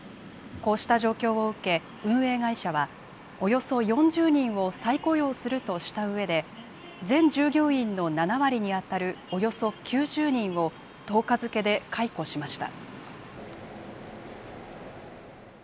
こうした状況を受け、運営会社は、およそ４０人を再雇用するとしたうえで、全従業員の７割に当たるおよそ９０人を１０日付で解雇しました。